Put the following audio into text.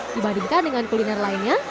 dibandingkan dengan kuliner lainnya